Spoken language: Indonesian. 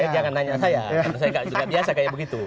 saya enggak biasa kayak begitu